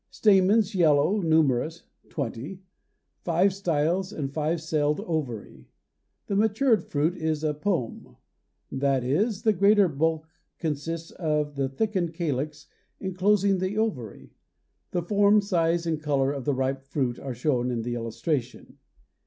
Stamens yellow, numerous (20); five styles and a five celled ovary. The matured fruit is a pome. That is, the greater bulk consists of the thickened calyx enclosing the ovary. The form, size and color of the ripe fruit are shown in the illustration.